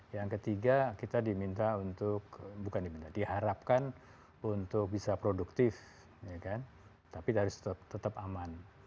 yang ketiga kita diharapkan untuk bisa produktif tapi harus tetap aman